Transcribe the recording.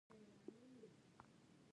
ګرمي څه اوبه غواړي؟